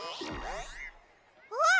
あっ！